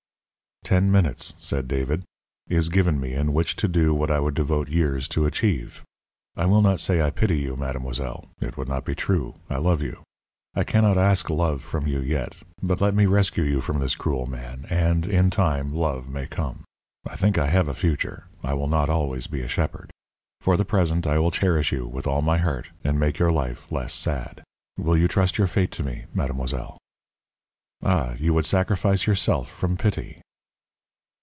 "Ten minutes," said David, "is given me in which to do what I would devote years to achieve. I will not say I pity you, mademoiselle; it would not be true I love you. I cannot ask love from you yet, but let me rescue you from this cruel man, and, in time, love may come. I think I have a future; I will not always be a shepherd. For the present I will cherish you with all my heart and make your life less sad. Will you trust your fate to me, mademoiselle?" "Ah, you would sacrifice yourself from pity!"